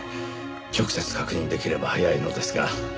直接確認できれば早いのですが。